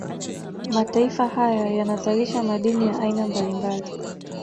Mataifa haya yanazalisha madini ya aina mbalimbali